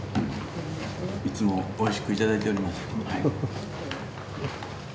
いつも美味しくいただいております。